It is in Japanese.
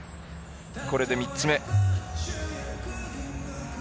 これで３つ目。